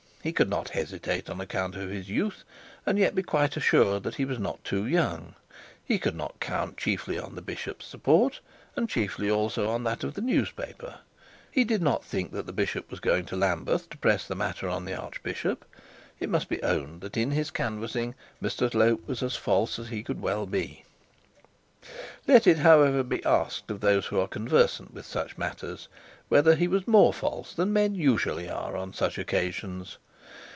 He could not hesitate on account of his youth, and yet, be quite assured that he was not too young. He could not count chiefly on the bishop's support, and chiefly also on that of the newspaper. He did not think that the bishop was going to press the matter on the archbishop. It must be owned that in his canvassing Mr Slope was as false as he well could be. Let it, however, be asked of those who are conversant with such matters, whether he was more false than men usually are on such occasions.